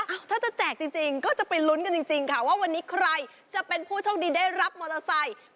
ถ้าจะแจกจริงก็จะไปลุ้นกันจริงค่ะว่าวันนี้ใครจะเป็นผู้โชคดีได้รับมอเตอร์ไซค์